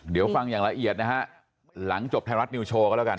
เดี๋ยวฟังอย่างละเอียดนะฮะหลังจบไทยรัฐนิวโชว์ก็แล้วกัน